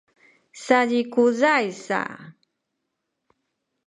sazikuzay sa